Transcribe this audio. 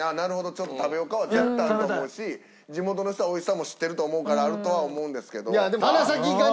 ちょっと食べようか」は絶対あると思うし地元の人はおいしさも知ってると思うからあるとは思うんですけど。